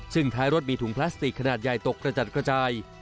ซึ่งท้ายรถมีถุงพลาสติกขนาดใหญ่ตกกระจัดกระจาย